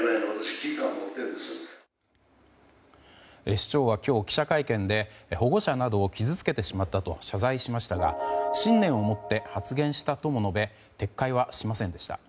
市長は今日、記者会見で保護者などを傷つけてしまったと謝罪しましたが信念を持って発言したとも述べ撤回はしませんでした。